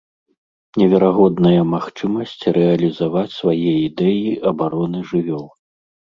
Неверагодная магчымасць рэалізаваць свае ідэі абароны жывёл!